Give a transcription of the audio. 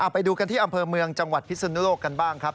ไปดูกันที่อำเภอเมืองจังหวัดพิศนุโลกกันบ้างครับ